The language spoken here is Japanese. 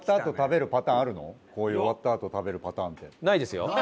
こういう終わったあと食べるパターンって。